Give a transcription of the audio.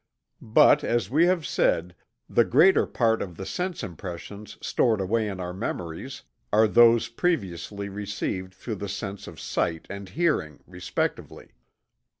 But, as we have said, the greater part of the sense impressions stored away in our memories are those previously received through the senses of sight and hearing, respectively.